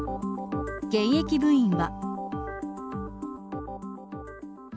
現役部員は。